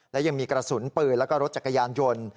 และยังมีกระสุนปืนแล้วก็รถจักรยานยนต์